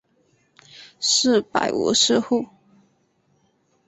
四百五十户。